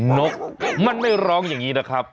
นกมันไม่ร้องอย่างนี้นะครับ